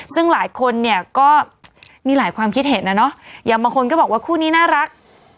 ซึ่งหลายคนเนี่ยก็มีหลายความคิดเห็นนะเนาะอย่างบางคนก็บอกว่าคู่นี้น่ารัก